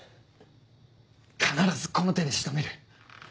必ずこの手で仕留める。